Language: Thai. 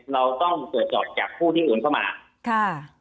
เราต้องเดี๋ยวจอดจากผู้ที่แบ่งเข้ามา